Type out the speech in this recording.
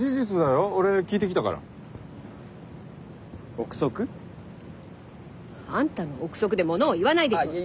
臆測。あんたの臆測でものを言わないでちょうだい。